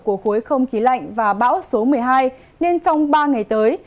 của khối không khí lạnh và bão số một mươi hai nên trong ba ngày tới